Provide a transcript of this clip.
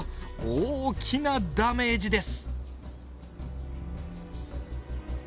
大きなダメージです。